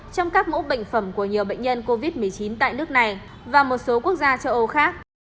trong các mẫu bệnh phẩm của nhiều bệnh nhân covid một mươi chín tại nước này và một số quốc gia châu âu khác